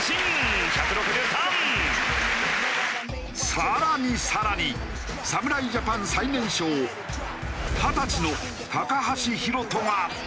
更に更に侍ジャパン最年少二十歳の橋宏斗が。